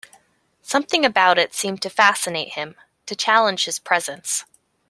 Something about it seemed to fascinate him, to challenge his presence.